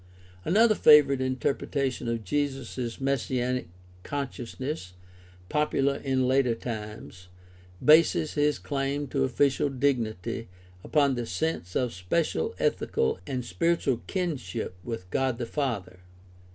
Another favorite interpretation of Jesus' messianic consciousness, popular in later times, bases his claim to official dignity upon his sense of special ethical and spiritual kinship with God the Father.